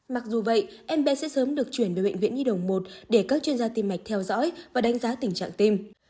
mặc dù vậy em bé sẽ sớm được chuyển về bệnh viện nhi đồng một để các chuyên gia tim mạch theo dõi và đánh giá tình trạng tim